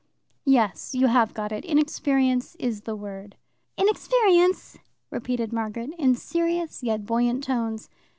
"Yes. You have got it. Inexperience is the word." "Inexperience," repeated Margaret, in serious yet buoyant tones.